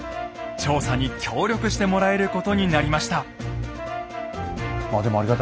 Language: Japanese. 調査に協力してもらえることになりました。